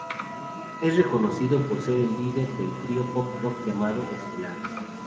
Es reconocido por ser el líder del trío de pop rock llamado Estelares.